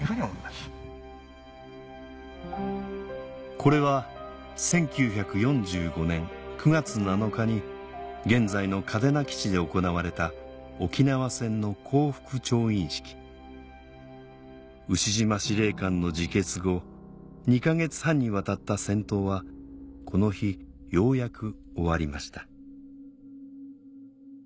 これは１９４５年９月７日に現在の嘉手納基地で行われた沖縄戦の降伏調印式牛島司令官の自決後２か月半にわたった戦闘はこの日ようやく終わりました